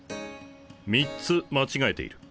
３つ間違えている。